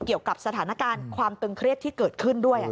เกี่ยวกับสถานการณ์ความตึงเครียดที่เกิดขึ้นด้วย